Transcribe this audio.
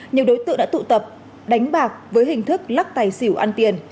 nhiều đối tượng đã tụ tập đánh bạc với hình thức lắc tài xỉu ăn tiền